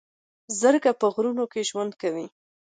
زرکه په غرونو کې ژوند کوي